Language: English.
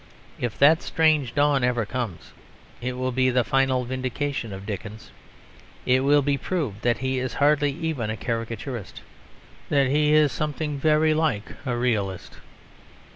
If that strange dawn ever comes, it will be the final vindication of Dickens. It will be proved that he is hardly even a caricaturist; that he is something very like a realist.